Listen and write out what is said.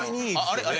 あれ？